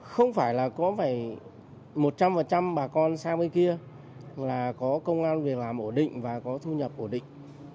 có phải một trăm linh bà con sang bên kia là có công an việc làm ổn định và có thu nhập ổn định